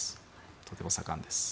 とても盛んです。